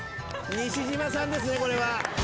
西島さんですねこれは。